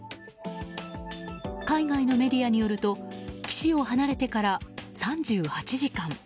海外のメディアによると岸を離れてから３８時間。